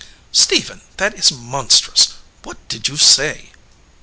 "Stephen, that is monstrous. What did you say?"